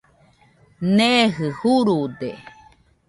Neeji jurude